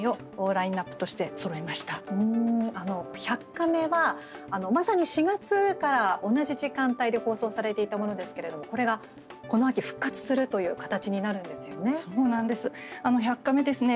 「１００カメ」はまさに４月から同じ時間帯で放送されていたものですけれどもこれがこの秋、復活するという形になるんですよね。